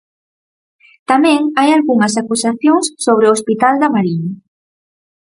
Tamén hai algunhas acusacións sobre o Hospital da Mariña.